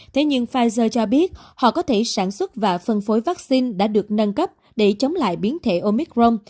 thế nhưng pfizer cho biết họ có thể sản xuất và phân phối vaccine đã được nâng cấp để chống lại biến thể omicron